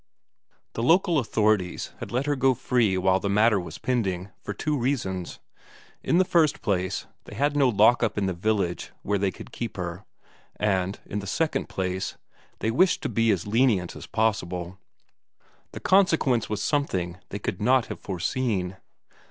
The local authorities had let her go free while the matter was pending, for two reasons: in the first place, they had no lock up in the village where they could keep her, and, in the second place, they wished to be as lenient as possible. The consequence was something they could not have foreseen.